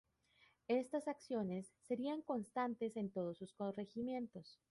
Estas acciones serían constantes en todos sus corregimientos.